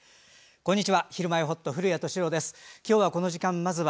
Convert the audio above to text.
こんにちは。